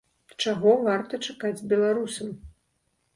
Чаго варта чакаць беларусам?